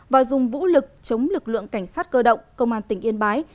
và dùng vũ lực chống lực lượng cảnh sát cơ động công an tỉnh yên bái